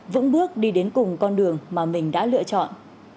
vững bước đi đến cùng con đường mà mình đã lựa chọn